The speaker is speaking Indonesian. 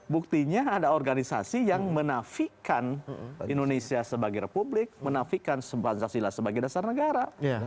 buktinya ada organisasi yang menafikan indonesia sebagai republik menafikan pancasila sebagai dasar negara